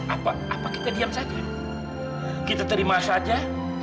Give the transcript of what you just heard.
apa apa kita diam saja kita terima saja